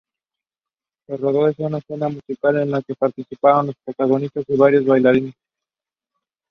Se rodó una escena musical en la que participaron los protagonistas y varios bailarines.